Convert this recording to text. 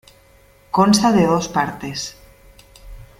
Consta de dos partes.